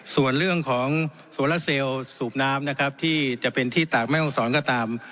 ส่วนเรื่องของโซลาเซลสูบน้ำนะครับที่จะเป็นที่ตากแม่ห้องศรก็ตาม